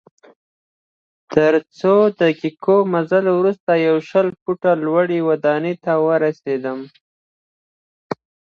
تر یو څو دقیقې مزل وروسته یوه شل فوټه لوړي ودانۍ ته ورسیدم.